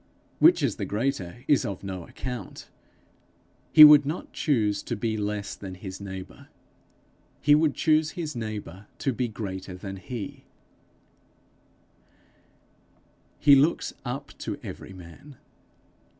Which is the greater is of no account. He would not choose to be less than his neighbour; he would choose his neighbour to be greater than he. He looks up to every man.